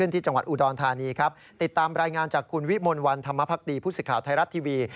ติดตามรายงานจากคุณวิมวลวันธรรมภักดีพุทธศิขาวไทยรัฐทีวี